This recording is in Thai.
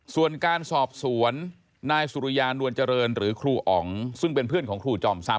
ส่วนการทรอบสวนนสุริยาณวัญเจริญหรือครู่อ่อซึ่งเป็นเพื่อนของครู่จอมซับ